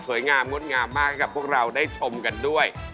งามงดงามมากให้กับพวกเราได้ชมกันด้วย